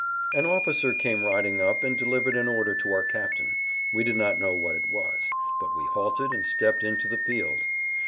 An officer came riding up and delivered an order to our captain. We did not know what it was. But we halted and stepped into the field.